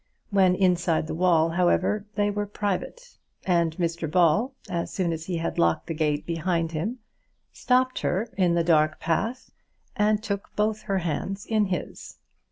When inside the wall, however, they were private; and Mr Ball, as soon as he had locked the gate behind him, stopped her in the dark path, and took both her hands in his.